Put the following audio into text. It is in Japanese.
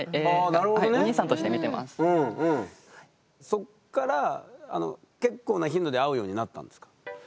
そっから結構な頻度で会うようになったんですか？